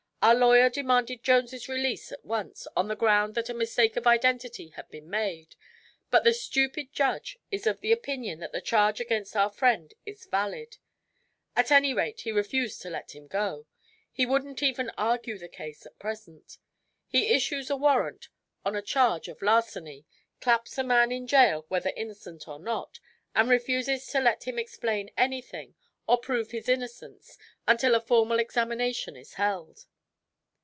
Our lawyer demanded Jones' release at once, on the ground that a mistake of identity had been made; but the stupid judge is of the opinion that the charge against our friend is valid. At any rate he refused to let him go. He wouldn't even argue the case at present. He issues a warrant on a charge of larceny, claps a man in jail whether innocent or not, and refuses to let him explain anything or prove his innocence until a formal examination is held."